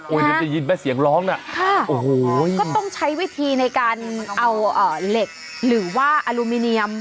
โอ้ยจะยินไปเสียงร้องน่ะค่ะก็ต้องใช้วิธีในการเอาเหล็กหรือว่าอลูมิเนียม